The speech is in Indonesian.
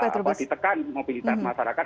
ditekan mobilitas masyarakat